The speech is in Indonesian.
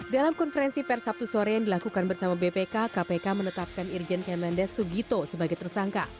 dalam konferensi per sabtu sore yang dilakukan bersama bpk kpk menetapkan irjen kemendes sugito sebagai tersangka